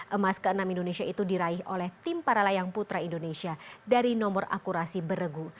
emas ke enam indonesia itu diraih oleh tim para layang putra indonesia dari nomor akurasi beregu